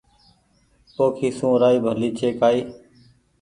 پوکي سون رآئي ڀلي ڇي ڪآئي